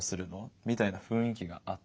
みたいな雰囲気があって。